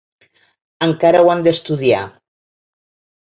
Encara ho han d’estudiar.